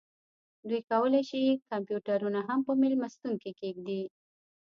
دوی کولی شي کمپیوټرونه هم په میلمستون کې کیږدي